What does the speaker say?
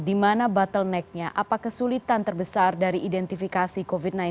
di mana bottlenecknya apa kesulitan terbesar dari identifikasi covid sembilan belas